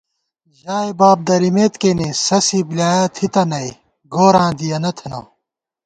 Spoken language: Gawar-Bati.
ژائےباب درِمېت کېنےسَسِی بۡلیایَہ تھِتہ نئ گوراں دِیَنہ تھنہ